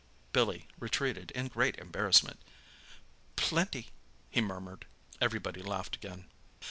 Billy retreated in great embarrassment. "Plenty!" he murmured. Everybody laughed again.